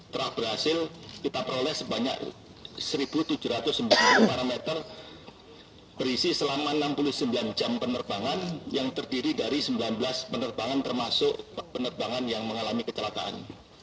telah berhasil kita peroleh sebanyak satu tujuh ratus sembilan puluh parameter berisi selama enam puluh sembilan jam penerbangan yang terdiri dari sembilan belas penerbangan termasuk penerbangan yang mengalami kecelakaan